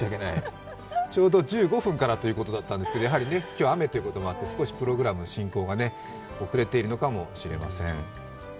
ちょうど１５分からということだったんですけれども今日は雨ということもありまして少しプログラム進行が遅れているのかもしれません。